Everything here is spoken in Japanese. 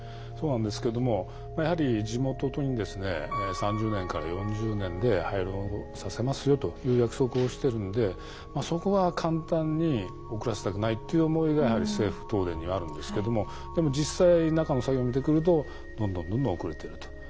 そうなんですけどもやはり地元にですね３０年から４０年で廃炉させますよという約束をしてるんでまあそこは簡単に遅らせたくないっていう思いがやはり政府東電にはあるんですけどもでも実際中の作業を見てくるとどんどんどんどん遅れてると。